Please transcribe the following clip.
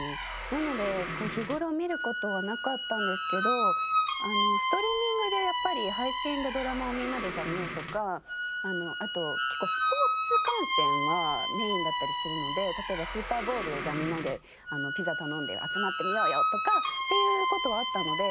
なので日頃見る事はなかったんですけどストリーミングでやっぱり配信でドラマをみんなで見ようとかあと結構スポーツ観戦がメインだったりするので例えばスーパーボウルをじゃあみんなでピザ頼んで集まって見ようよとかっていう事はあったので。